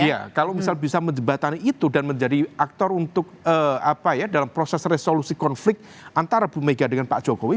iya kalau misal bisa menjebatan itu dan menjadi aktor untuk dalam proses resolusi konflik antara bu mega dengan pak jokowi